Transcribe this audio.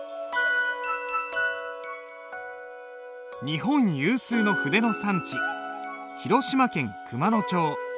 日本有数の筆の産地広島県熊野町。